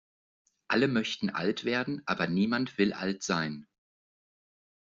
Alle möchten alt werden, aber niemand will alt sein.